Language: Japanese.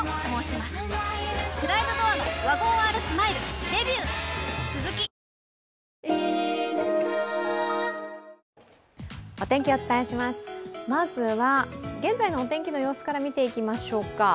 まずは現在のお天気の様子から見ていきましょうか。